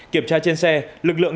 kiểm tra trên xe lực lượng